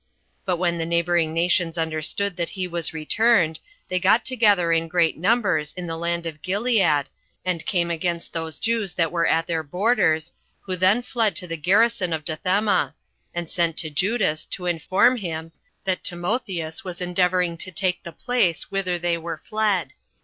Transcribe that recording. But when the neighboring nations understood that he was returned, they got together in great numbers in the land of Gilead, and came against those Jews that were at their borders, who then fled to the garrison of Dathema; and sent to Judas, to inform him that Timotheus was endeavoring to take the place whither they were fled.